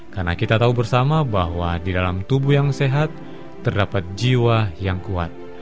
karena kita tahu bersama bahwa di dalam tubuh yang sehat terdapat jiwa yang kuat